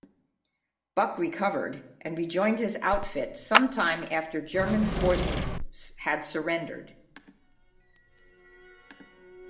Buck recovered, and rejoined his outfit sometime after German forces had surrendered.